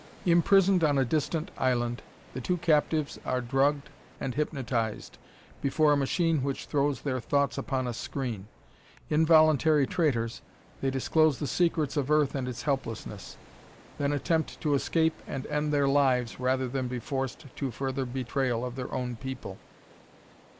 Imprisoned on a distant island, the two captives are drugged and hypnotized before a machine which throws their thoughts upon a screen. Involuntary traitors, they disclose the secrets of Earth and its helplessness; then attempt to escape and end their lives rather than be forced to further betrayal of their own people.